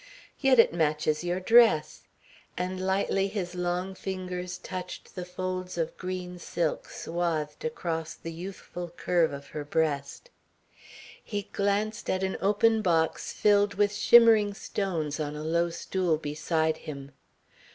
"Yet it matches your dress," and lightly his long fingers touched the folds of green silk swathed across the youthful curve of her breast. He glanced at an open box filled with shimmering stones on a low stool beside him.